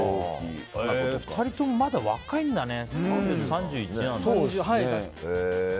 ２人ともまだ若いんだね。